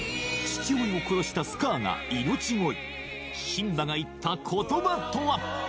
父親を殺したスカーが命乞いシンバが言った言葉とは？